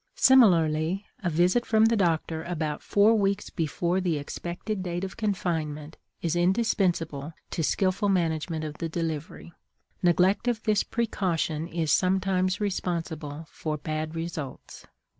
Similarly a visit from the doctor about four weeks before the expected date of confinement is indispensable to skillful management of the delivery; neglect of this precaution is sometimes responsible for bad results.